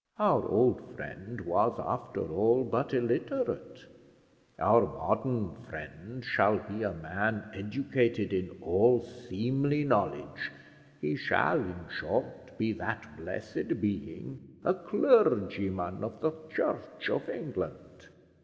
Our old friend was, after all, but illiterate; our modern friend shall be a man educated in all seemly knowledge; he shall, in short, be that blessed being, a clergyman of the Church of England!